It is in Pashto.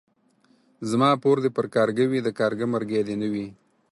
زما پور دي پر کارگه وي ،د کارگه مرگى دي نه وي.